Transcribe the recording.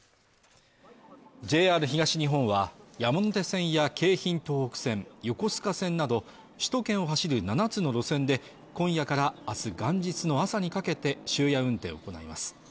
ＪＲ東日本は山手線や京浜東北線、横須賀線など首都圏を走る７つの路線で今夜から明日元日の朝にかけて終夜運転を行います。